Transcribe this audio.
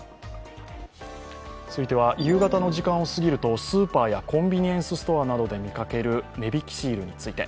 続いては、夕方の時間をすぎるとスーパーやコンビニエンスストアで見かける値引きシールについて。